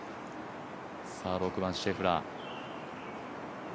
６番、シェフラー。